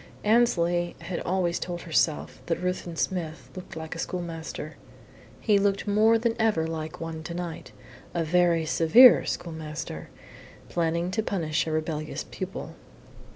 Annesley had always told herself that Ruthven Smith looked like a schoolmaster. He looked more than ever like one to night a very severe schoolmaster, planning to punish a rebellious pupil.